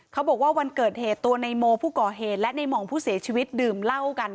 เขาบอกว่าวันเกิดเหตุตัวในโมผู้ก่อเหตุและในห่องผู้เสียชีวิตดื่มเหล้ากัน